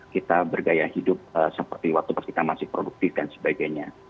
kita bergaya hidup seperti waktu pas kita masih produktif dan sebagainya